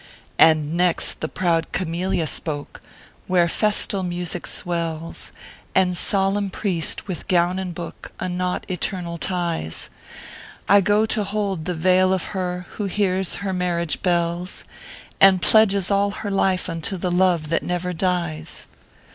And next the proud Camellia spoke :" "Where festal music swells, And solemn priest, with gown and book, a knot eternal ties, I go to hold the vail of her who hears her marriage bells, And pledges all her life unto the Love that never dies."